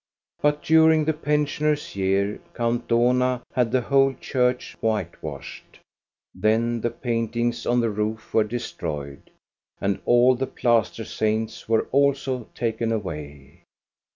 But during the pensioners' year, Count Dohna had the whole church whitewashed. Then the paintings on the roof were destroyed. And all the plaster saints were also taken away.